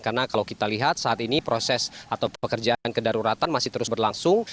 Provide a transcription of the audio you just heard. karena kalau kita lihat saat ini proses atau pekerjaan kedaruratan masih terus berlangsung